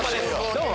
どうも！